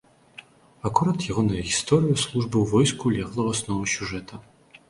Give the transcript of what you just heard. Акурат ягоная гісторыя службы ў войску легла ў аснову сюжэта.